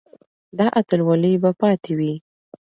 دا اتلولي به پاتې وي.